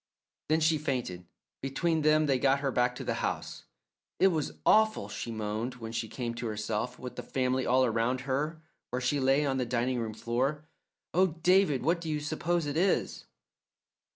Then she fainted. Between them they got her back to the house. "It was awful," she moaned when she came to herself, with the family all around her where she lay on the dining room floor. "Oh, David, what do you suppose it is?"